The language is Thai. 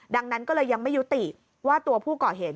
ดังนั้นก็เลยยังไม่ยุติว่าตัวผู้ก่อเหตุ